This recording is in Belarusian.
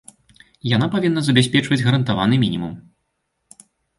Яна павінна забяспечваць гарантаваны мінімум.